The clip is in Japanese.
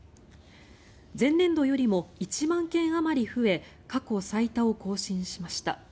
前年度よりも１万件あまり増え過去最多を更新しました。